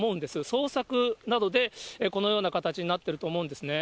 捜索などでこのような形になっていると思うんですね。